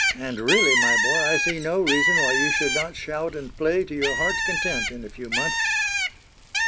"And, really, my boy, I see no reason why you should not shout and play to your heart's content in a few months."